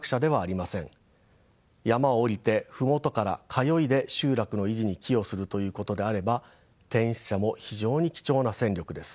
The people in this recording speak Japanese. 山を下りて麓から通いで集落の維持に寄与するということであれば転出者も非常に貴重な戦力です。